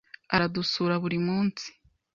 Aradusura buri munsi.